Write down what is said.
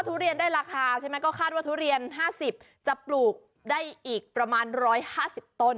ธุเรียนได้ราคาคาดว่าเอา๕๐ต้นจะปลูกได้อีก๑๕๐ต้น